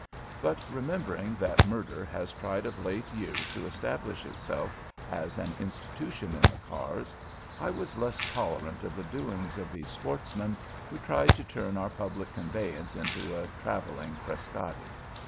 But remembering that murder has tried of late years to establish itself as an institution in the cars, I was less tolerant of the doings of these "sportsmen" who tried to turn our public conveyance into a travelling Frascati.